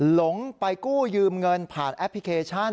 หลงไปกู้ยืมเงินผ่านแอปพลิเคชัน